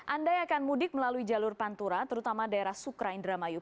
anda yang akan mudik melalui jalur pantura terutama daerah sukra indramayu